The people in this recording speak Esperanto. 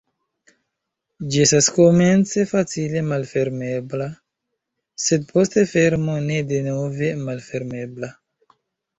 Ĝi estas komence facile malfermebla, sed post fermo ne denove malfermebla.